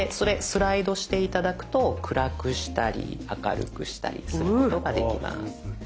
スライドして頂くと暗くしたり明るくしたりすることができます。